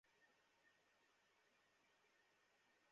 একটু বেশিই হয়ে গেল না?